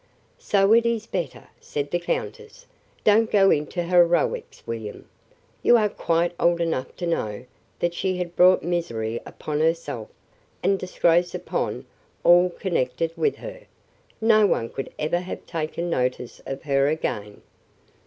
"So it is better," said the countess. "Don't go into heroics, William. You are quite old enough to know that she had brought misery upon herself, and disgrace upon all connected with her. No one could ever have taken notice of her again."